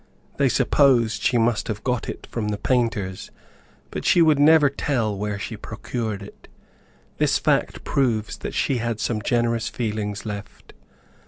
They supposed she must have got it from the painters, but she would never tell where she procured it. This fact proves that she had some generous feelings left.